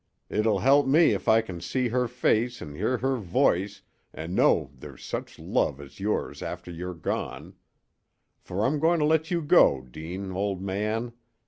It 'll help me if I can see her face an' hear her voice and know there's such love as yours after you're gone. For I'm going to let you go, Deane, old man.